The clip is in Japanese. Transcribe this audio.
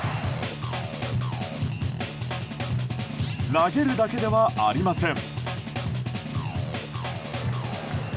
投げるだけではありません。